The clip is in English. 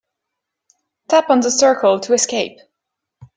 Tap on the circle to escape.